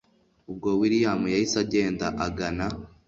ubwo william yahise agenda agana